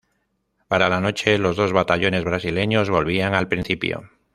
Para la noche, los dos batallones Brasileños volvían al principio.